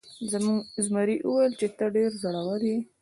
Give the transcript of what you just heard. زمري وویل چې ته ډیر زړور یې.